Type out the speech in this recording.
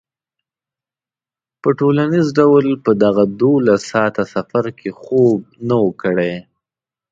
په ټولیز ډول په دغه دولس ساعته سفر کې خوب نه و کړی.